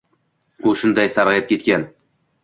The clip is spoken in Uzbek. U shunday sarg‘ayib ketgan.